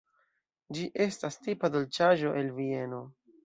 Ĝi estas tipa dolĉaĵo el Vieno.